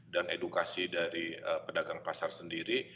dan edukasi dari pedagang pasar sendiri